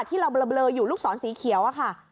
ที่เราเบลออยู่ลูกศรสีเขียวอะค่ะ